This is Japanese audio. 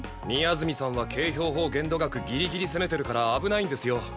宮澄さんは景表法限度額ギリギリ攻めてるから危ないんですよ。